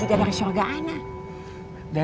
bidari bidadari syurga ana